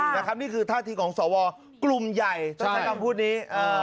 นี่คือท่าทีของสวกลุ่มใหญ่ต้องใช้คำพูดนี้